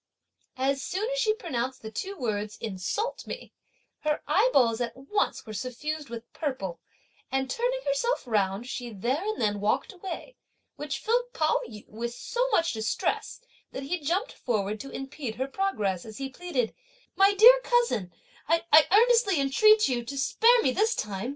As soon as she pronounced the two words "insult me," her eyeballs at once were suffused with purple, and turning herself round she there and then walked away; which filled Pao yü with so much distress that he jumped forward to impede her progress, as he pleaded: "My dear cousin, I earnestly entreat you to spare me this time!